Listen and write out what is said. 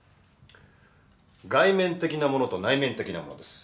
外面的なものと内面的なものです。